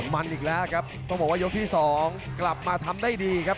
มันอีกแล้วครับต้องบอกว่ายกที่สองกลับมาทำได้ดีครับ